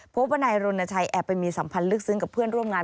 พบว่านายรณชัยแอบไปมีสัมพันธ์ลึกซึ้งกับเพื่อนร่วมงาน